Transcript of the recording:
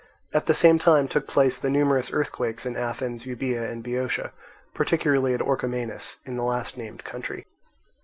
At the same time took place the numerous earthquakes in Athens, Euboea, and Boeotia, particularly at Orchomenus in the last named country.